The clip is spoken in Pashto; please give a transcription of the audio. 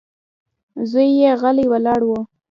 زوی يې غلی ولاړ و.